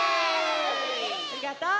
ありがとう。